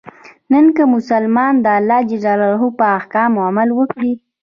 نن که مسلمانان د الله ج په احکامو عمل وکړي.